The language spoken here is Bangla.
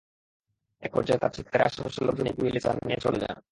একপর্যায়ে তাঁর চিৎকারে আশপাশের লোকজন এগিয়ে এলে চান মিয়া চলে যান।